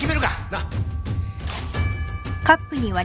なっ。